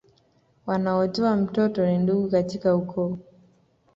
Wanaotoa mtoto ni ndugu katika ukoo